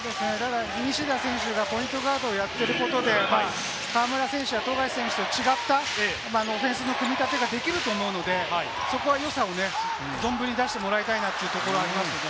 西田選手がポイントガードをやっていることで、河村選手や富樫選手と違ったオフェンスの組み立てができると思うので、そこはよさをね、存分に出してもらいたいですね。